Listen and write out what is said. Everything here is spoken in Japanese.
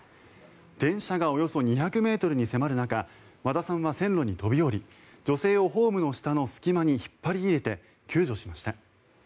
電車がおよそ２００ｍに迫る中和田さんは線路に飛び降り女性をホームの下の隙間に引っ張り入れて救助しました。